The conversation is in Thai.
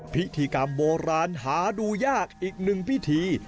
พิธีกรรมโบราณหาดูยากอีกหนึ่งพิธี